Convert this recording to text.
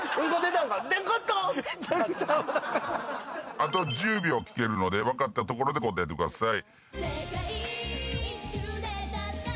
あと１０秒聴けるので分かったところで答えてください。